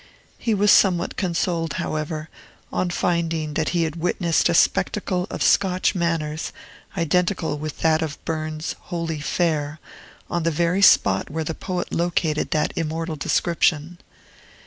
He was somewhat consoled, however, on finding that he had witnessed a spectacle of Scotch manners identical with that of Burns's "Holy Fair," on the very spot where the poet located that immortal description.